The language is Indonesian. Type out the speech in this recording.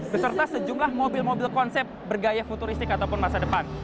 beserta sejumlah mobil mobil konsep bergaya futuristik ataupun masa depan